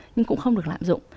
nhưng cũng không được lạm dụng